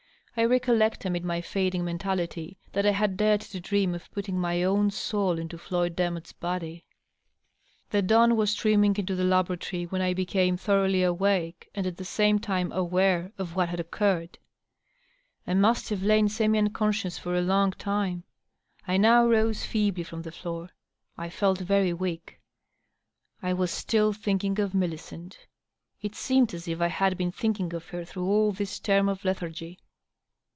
I recollected^ amid my fading mentality, y that I had dared to dream of putting my own soul into Floyd Bemotte's body. ... The dawn was streaming into the laboratory when I became thor oughly awake and at the same time aware of what had occurred. I must have lain semi unconscious for a long time. I now rose feebly j&om the floor. I felt very weak. I was still thinking of Millicent. It seemed as if I had been thinking of her through all this term of lethargy.